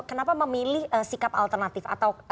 kenapa memilih sikap alternatif atau